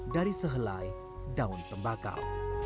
dari sehelai daun tembakau